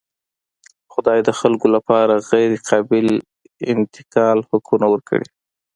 خدای د خلکو لپاره غیرقابل انتقال حقونه ورکړي.